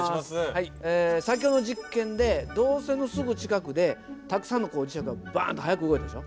先ほどの実験で導線のすぐ近くでたくさんの磁石がバンと速く動いたでしょ？